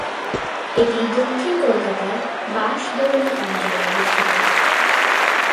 এটি দক্ষিণ কলকাতার বাঁশদ্রোণী অঞ্চলে অবস্থিত।